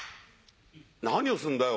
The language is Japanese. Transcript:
何をすんだよ。